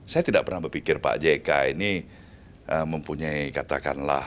saya tidak pernah berpikir pak jk ini mempunyai katakanlah